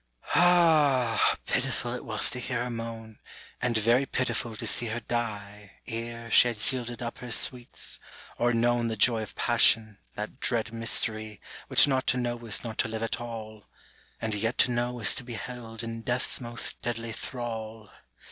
j / f^Ah ! pitiful it was to hear her moan, / And very pitiful to see her die Ere she had yielded up her sweets, or known The joy of passion, that dread mystery Which not to know is not to live at all, . And yet to know is to be held in death's most deadly V thrall.